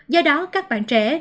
do đó các bạn trẻ